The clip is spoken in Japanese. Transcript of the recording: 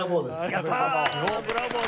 やったー！